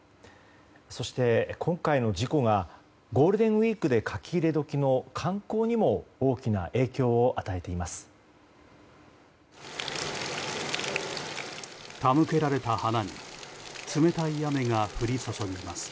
そして今回の事故がゴールデンウィークで書き入れ時の観光にも大きな影響を与えています。